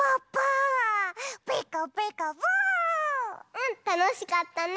うんたのしかったね。